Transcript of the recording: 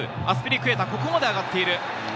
アスピリクエタ、ここまで上がっている。